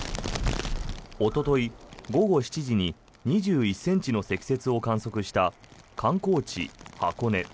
おととい午後７時に２１ｃｍの積雪を観測した観光地・箱根。